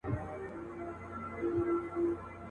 ډېر نومونه سول په منځ کي لاندي باندي.